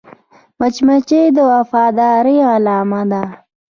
مچمچۍ د وفادارۍ علامه ده